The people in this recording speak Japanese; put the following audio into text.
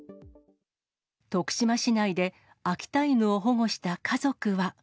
徳島市内で秋田犬を保護した家族は。